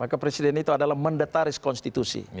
maka presiden itu adalah mendataris konstitusi